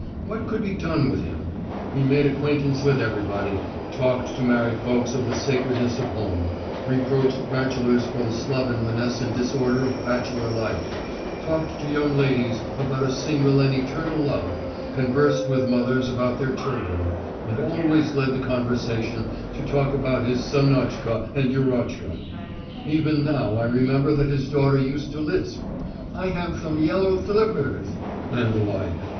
What could be done with him? He made acquaintance with everybody; talked to married folks of the sacredness of home, reproached bachelors for the slovenliness and disorder of bachelor life, talked to young ladies about a single and eternal love, conversed with mothers about their children, and always led the conversation to talk about his Sannochka and Yurochka. Even now I remember that his daughter used to lisp: "I have thome yellow thlipperth," and the like.